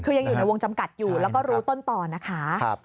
คือยังอยู่ในวงจำกัดอยู่แล้วก็รู้ต้นต่อนะคะ